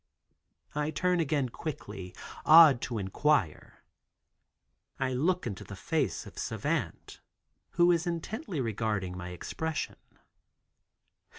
I turn again quickly, awed to inquire. I look into the face of Savant, who is intently regarding my expression.